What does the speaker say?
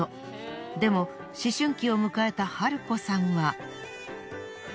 でも思春期を迎えた春子さんは。